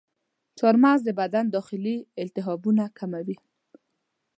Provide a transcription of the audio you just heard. چارمغز د بدن داخلي التهابونه کموي.